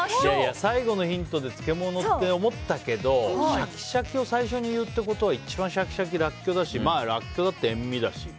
最後のヒントで漬物だと思ったけどシャキシャキを最初に言うってことは一番シャキシャキはラッキョウだしラッキョウだって塩みだし。